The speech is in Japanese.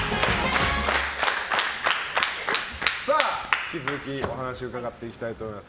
引き続きお話を伺っていきたいと思います。